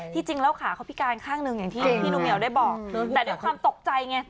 จริงแล้วขาเขาพิการข้างหนึ่งอย่างที่พี่หนูเหี่ยวได้บอกแต่ด้วยความตกใจไง